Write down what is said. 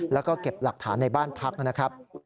แล้วก็เก็บหลักฐานในบ้านพักนะครับ